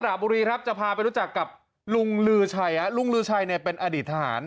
ระบุรีครับจะพาไปรู้จักกับลุงลือชัยลุงลือชัยเนี่ยเป็นอดีตทหาร